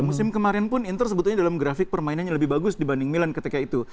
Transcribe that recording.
musim kemarin pun inter sebetulnya dalam grafik permainannya lebih bagus dibanding milan ketika itu